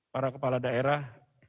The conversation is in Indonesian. para kepala daerah